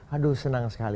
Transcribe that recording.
aduh senang sekali